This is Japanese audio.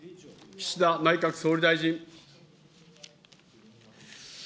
岸田内閣総理大臣。